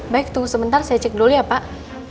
baik tunggu sebentar saya cek dulu ya pak